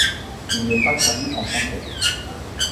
Il n'est pas traduit en français.